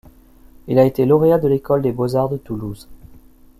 Il a été lauréat de l’École des beaux-arts de Toulouse.